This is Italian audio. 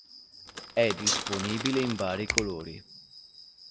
È disponibile in vari colori.